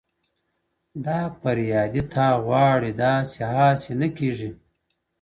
دا فريادي تا غواړي! داسي هاسي نه كــــيـــږي!